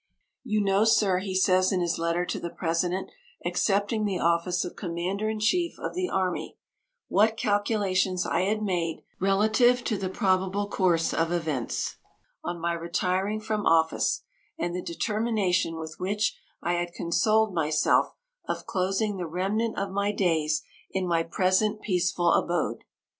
"You know, Sir," he says in his letter to the President, accepting the office of commander in chief of the army, "what calculations I had made relative to the probable course of events on my retiring from office, and the determination with which I had consoled myself of closing the remnant of my days in my present peaceful abode.